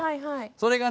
それがね